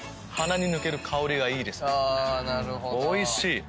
おいしい！